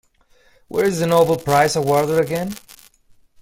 Where is the Nobel Prize awarded again?